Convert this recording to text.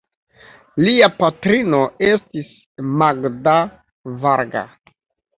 Lia patrino estis Magda Varga.